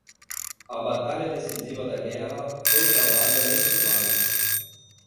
A batalha decisiva da guerra foi travada neste vale.